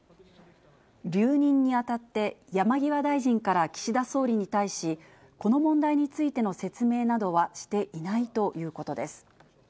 留任にあたって、山際大臣から岸田総理に対し、この問題についての説明などはしていないということです。